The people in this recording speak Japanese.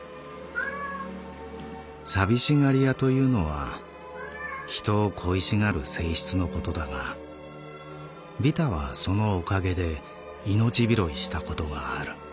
「寂しがり屋というのは人を恋しがる性質のことだがビタはそのおかげで命拾いしたことがある」。